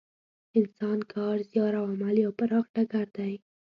انسان کار، زیار او عمل یو پراخ ډګر دی.